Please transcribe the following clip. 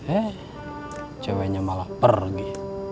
eh ceweknya malah pergi